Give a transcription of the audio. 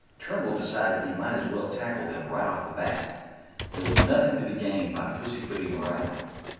Turnbull decided he might as well tackle them right off the bat; there was nothing to be gained by pussyfooting around.